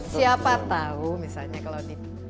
siapa tahu misalnya kalau di